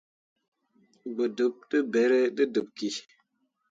Gbǝ dǝb ne ɓerri te dǝɓ ki.